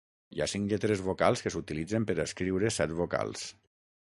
Hi ha cinc lletres vocals que s'utilitzen per a escriure set vocals.